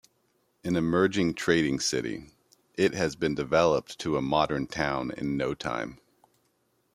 An emerging trading city.it has been developed to a modern town in no time.